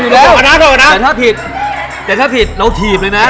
แต่ถ้าผิดแต่ถ้าผิดเราถีบเลยนะ